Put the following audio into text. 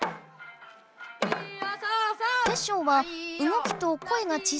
テッショウはうごきと声が小さかった。